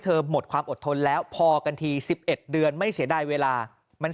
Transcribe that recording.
หมดความอดทนแล้วพอกันที๑๑เดือนไม่เสียดายเวลามัน